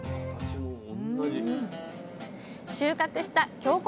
収穫した京こ